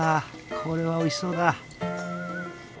これはおいしそうだ！